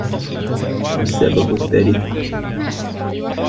وَالسَّبَبُ الثَّالِثُ